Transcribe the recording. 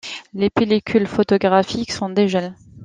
Les pellicules photographiques sont des gels.